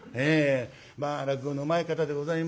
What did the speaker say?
まあ落語のうまい方でございました。